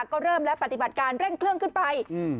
ก็เริ่มแล้วปฏิบัติการเร่งเครื่องขึ้นไปอืม